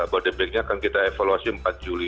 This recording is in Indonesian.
bodebeknya akan kita evaluasi empat juli